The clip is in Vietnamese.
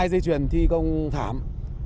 hai dây chuyền thi công thảm